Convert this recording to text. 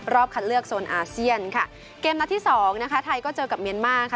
คัดเลือกโซนอาเซียนค่ะเกมนัดที่สองนะคะไทยก็เจอกับเมียนมาร์ค่ะ